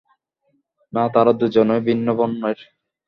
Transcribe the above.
না, তারা দুজনই ভিন্ন বর্ণের।